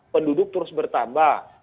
penduduk terus bertambah